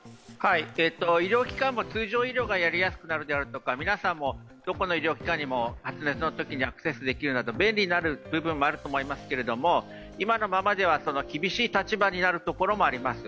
医療機関も通常医療がやりやすくあるであるとか皆さんもどこの医療機関にも発熱のときにアクセスできるなど便利になる部分もあると思いますけど、今のままでは厳しいことになる立場もあります。